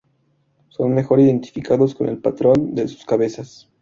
Son mejor identificados por el patrón de sus cabezas.